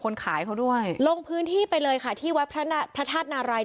ขายเขาด้วยลงพื้นที่ไปเลยค่ะที่วัดพระธาตุนาราย